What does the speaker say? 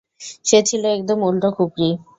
সে ছিল একদম উল্টো খুপরি।